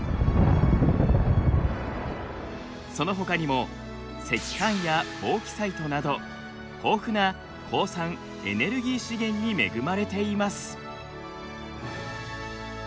そのほかにも石炭やボーキサイトなど豊富な鉱産エネルギー資源に恵まれています。